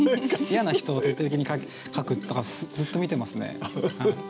嫌な人を徹底的に書くとかずっと見てますね。